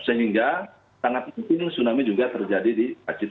sehingga sangat penting tsunami juga terjadi di cilacap